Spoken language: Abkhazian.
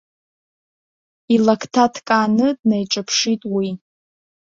Илакҭа ҭкааны днаиҿаԥшит уи.